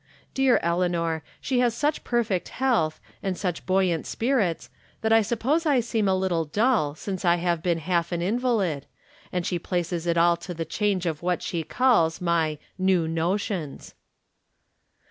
Dear Eleanor, she has such perfect health, and such buoyant spirits, that I suppose I seem a little dull since I have been half an invalid, and she places it all to the charge of what she calls my " new notions."